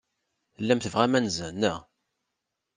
Tellam tebɣam anza, naɣ?